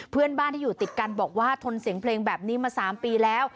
เพื่อนบ้านที่อยู่ติดกันบอกว่าทนเสียงเพลงแบบนี้มา๓ปีแล้ว